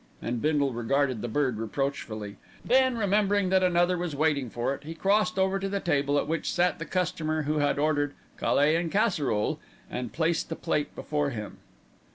and Bindle regarded the bird reproachfully. Then remembering that another was waiting for it, he crossed over to the table at which sat the customer who had ordered "caille en casserole" and placed the plate before him.